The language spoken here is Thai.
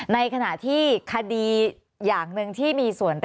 ในขณะที่คดีอย่างหนึ่งที่มีส่วน